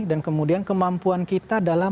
dan kemudian kemampuan kita dalam